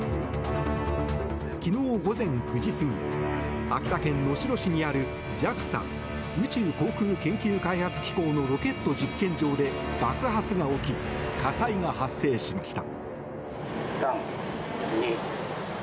昨日午前９時過ぎ秋田県能代市にあるＪＡＸＡ・宇宙航空研究開発機構のロケット実験場で爆発が起き火災が発生しました。